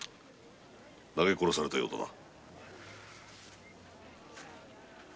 投げ殺されたようだな。